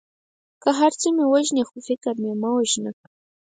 که هر څه مې وژنې خو فکر مې مه وژنه.